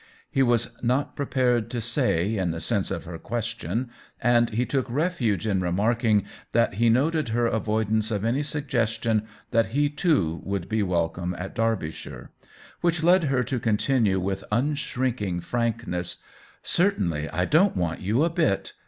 He was not prepared to say, in the sense of her question, and he took refuge in remarking that he noted her avoidance of any suggestion that he, too, would be wel come in Derbyshire; which led her to con tinue, with unshrinking frankness, " Certain ly, I don't want you a bit.